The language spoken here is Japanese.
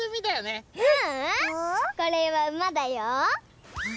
これはうまだよ。